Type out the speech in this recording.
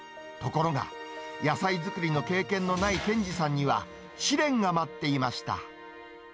ところが、野菜作りの経験のない健司さんには、試練が待っていました。